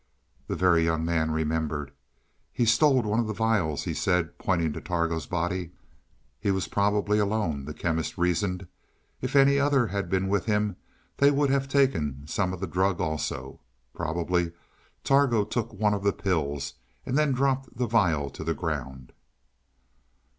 The Very Young Man remembered. "He stole one of the vials," he said, pointing to Targo's body. "He was probably alone," the Chemist reasoned. "If any others had been with him they would have taken some of the drug also. Probably Targo took one of the pills and then dropped the vial to the ground."